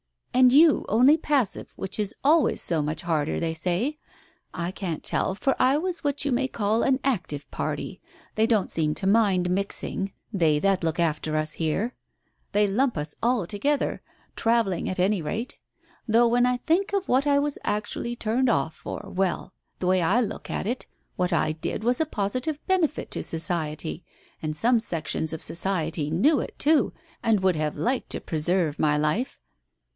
And you only passive, which is always so much harder, they say 1 I can't tell, for I was what you may call an active party. They don't seem to mind mixing, they that look after us herel They lump us all together — travelling, at any rate ! Though when I think of what I was actually turned off ior l well — the way I look at it, what I did was a positive benefit to Society, and some sections of Society knew it, too, and would have liked to preserve my life."